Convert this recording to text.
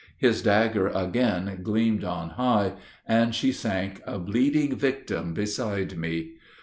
His dagger again gleamed on high, and she sank a bleeding victim beside me.